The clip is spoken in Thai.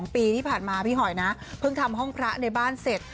ปีที่ผ่านมาพี่หอยนะเพิ่งทำห้องพระในบ้านเสร็จ